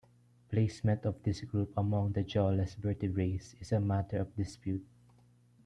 Placement of this group among the jawless vertebrates is a matter of dispute.